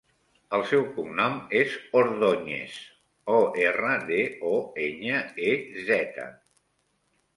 El seu cognom és Ordoñez: o, erra, de, o, enya, e, zeta.